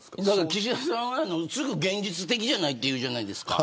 岸田さんはすぐ、現実的じゃないと言うじゃないですか。